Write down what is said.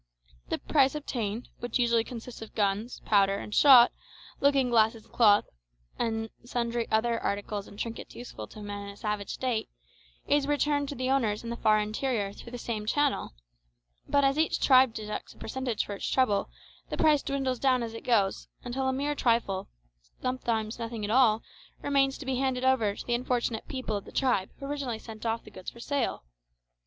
The price obtained, which usually consists of guns, powder and shot, looking glasses, cloth, and sundry other articles and trinkets useful to men in a savage state, is returned to the owners in the far interior through the same channel; but as each tribe deducts a percentage for its trouble, the price dwindles down as it goes, until a mere trifle, sometimes nothing at all, remains to be handed over to the unfortunate people of the tribe who originally sent off the goods for sale.